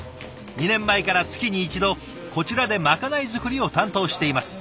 ２年前から月に一度こちらでまかない作りを担当しています。